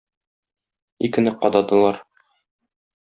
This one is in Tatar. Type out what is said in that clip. Икене кададылар.